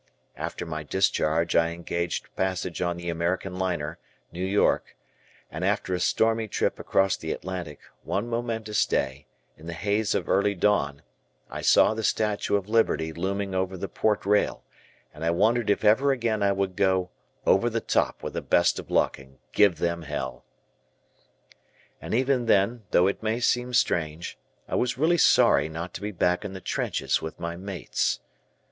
After my discharge I engaged passage on the American liner, New York, and after a stormy trip across the Atlantic, one momentous day, in the haze of early dawn I saw the Statue of Liberty looming over the port rail, and I wondered if ever again I would go "over the top with the best of luck and give them hell." And even then, though it may seem strange, I was really sorry not to be back in the trenches with my mates.